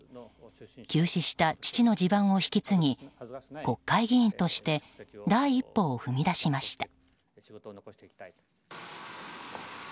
急死した父の地盤を引き継ぎ国会議員として第一歩を踏み出しました。